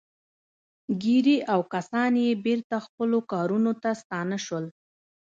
ګيري او کسان يې بېرته خپلو کارونو ته ستانه شول.